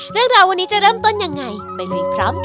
เรื่องราววันนี้จะเริ่มต้นยังไงไปลุยพร้อมกัน